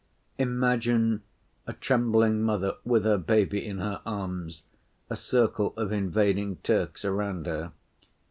Imagine a trembling mother with her baby in her arms, a circle of invading Turks around her.